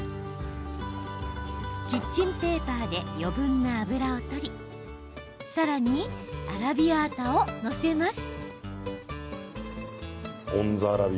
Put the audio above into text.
キッチンペーパーで余分な油を取りさらにアラビアータを載せます。